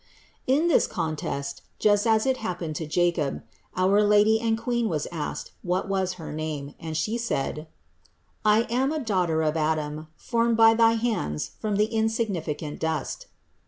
In this contest (just as it once happened to Jacob) our Lady and Queen was asked, what was her name ; and She said: "I am a daughter of Adam, formed by thy hands from the insignificant dust."